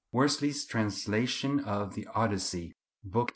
Worsley's Translation of the Odyssey, Book xvi.